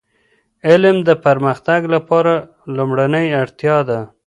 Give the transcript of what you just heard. علم د پرمختګ لپاره لومړنی اړتیا ده.